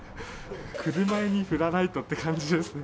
来る前に振らないとって感じですね。